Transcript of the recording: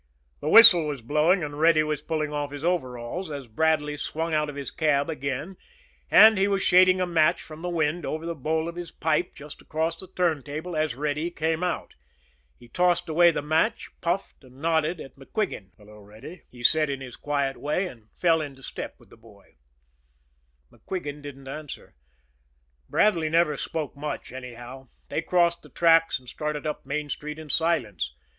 The whistle was blowing and Reddy was pulling off his overalls, as Bradley swung out of his cab again; and he was shading a match from the wind over the bowl of his pipe just across the turntable, as Reddy came out. He tossed away the match, puffed, and nodded at MacQuigan. "Hello, Reddy," he said in his quiet way, and fell into step with the boy. MacQuigan didn't answer. Bradley never spoke much, anyhow. They crossed the tracks and started up Main Street in silence.